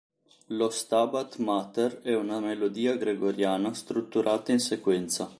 Lo Stabat Mater è una melodia gregoriana strutturata in sequenza.